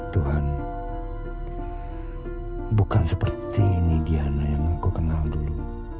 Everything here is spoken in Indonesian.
tuhan bukan seperti ini diana yang aku kenal dulu